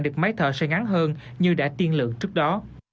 được máy thở sẽ ngắn hơn như đã tiên lượng trước đó